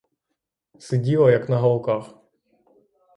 Сиділа, як на голках.